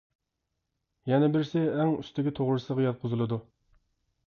يەنە بىرسى ئەڭ ئۈستىگە توغرىسىغا ياتقۇزۇلىدۇ.